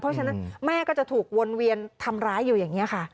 เพราะฉะนั้นแม่ก็จะถูกวนเวียนทำร้ายอยู่อย่างนี้ค่ะ